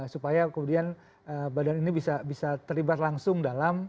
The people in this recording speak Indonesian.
supaya kemudian badan ini bisa terlibat langsung dalam